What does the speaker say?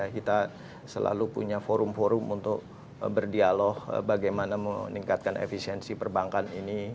kita selalu punya forum forum untuk berdialog bagaimana meningkatkan efisiensi perbankan ini